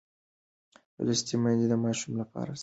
لوستې میندې د ماشوم لپاره سالم چاپېریال غواړي.